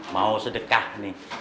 mau sedekah nih